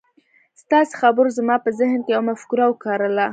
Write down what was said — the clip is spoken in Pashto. ستاسې خبرو زما په ذهن کې يوه مفکوره وکرله.